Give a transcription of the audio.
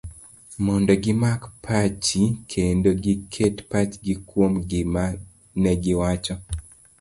mondo gimak pachji, kendo giket pachgi kuom gima negiwacho